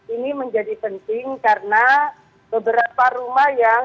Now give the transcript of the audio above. ini menjadi penting karena beberapa rumah yang